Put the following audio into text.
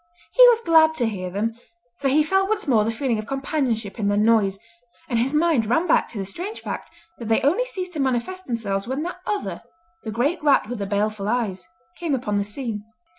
He was glad to hear them, for he felt once more the feeling of companionship in their noise, and his mind ran back to the strange fact that they only ceased to manifest themselves when that other—the great rat with the baleful eyes—came upon the scene.